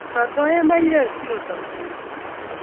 Matoye maiyek siosob koikeny